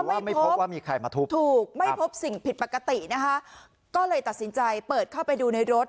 แต่ก็ไม่พบถูกไม่พบสิ่งผิดปกตินะคะก็เลยตัดสินใจเปิดเข้าไปดูในรถ